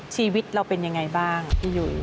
ชีวิตเราเป็นอย่างไรบ้างที่อยู่